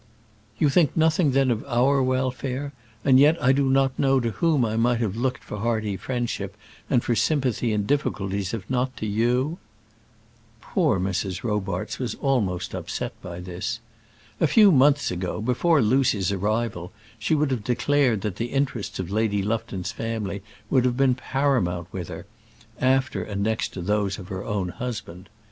"You think nothing then of our welfare, and yet I do not know to whom I might have looked for hearty friendship and for sympathy in difficulties, if not to you?" Poor Mrs. Robarts was almost upset by this. A few months ago, before Lucy's arrival, she would have declared that the interests of Lady Lufton's family would have been paramount with her, after and next to those of her own husband.